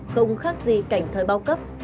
không khác gì cảnh thời bao cấp